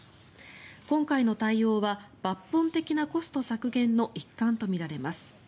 今回の対応は抜本的なコスト削減の一環とみられます。